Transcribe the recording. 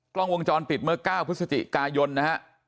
กล้องวงจรปิดเมื่อ๙พฤศจิกายนนะฮะ